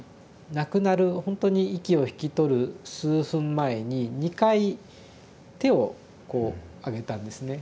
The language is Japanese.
亡くなるほんとに息を引き取る数分前に２回手をこうあげたんですね。